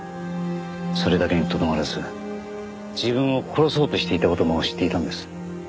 それだけにとどまらず自分を殺そうとしていた事も知っていたんです。